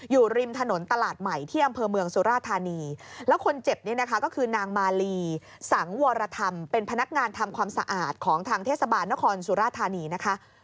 อยู่ริมถนนตลาดใหม่ที่อำเภอเมืองสุราธานีแล้วคนเจ็บนี่นะคะก็คือนางมาลีสังวรธรรมเป็นพนักงานทำความสะอาดของทางเทศบาลนครสุราธานีนะคะ